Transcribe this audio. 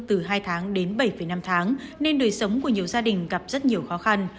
từ hai tháng đến bảy năm tháng nên đời sống của nhiều gia đình gặp rất nhiều khó khăn